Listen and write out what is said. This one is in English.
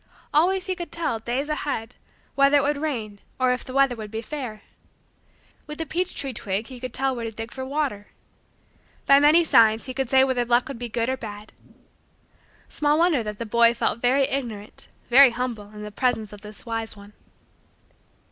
Always he could tell, days ahead, whether it would rain or if the weather would be fair. With a peach tree twig he could tell where to dig for water. By many signs he could say whether luck would be good or bad. Small wonder that the boy felt very ignorant, very humble, in the presence of this wise one!